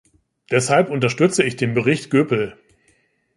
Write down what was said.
Deshalb unterstütze ich den Bericht Goepel.